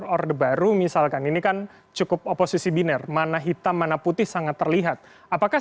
orde baru misalkan ini kan cukup oposisi binar mana hitam mana putih sangat terlihat apakah